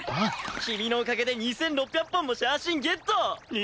君のおかげで２６００本もシャー芯ゲット！